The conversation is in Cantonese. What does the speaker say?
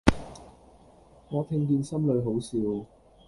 我聽見心裏好笑